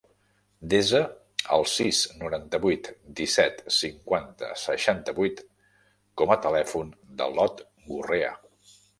Desa el sis, noranta-vuit, disset, cinquanta, seixanta-vuit com a telèfon de l'Ot Gurrea.